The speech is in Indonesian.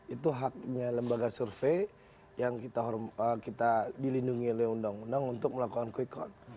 itu haknya lembaga survei yang kita dilindungi oleh undang undang untuk melakukan quick count